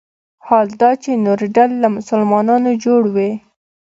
حال دا چې نورې ډلې له مسلمانانو جوړ وي.